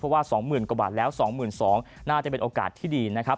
เพราะว่า๒๐๐๐กว่าบาทแล้ว๒๒๐๐น่าจะเป็นโอกาสที่ดีนะครับ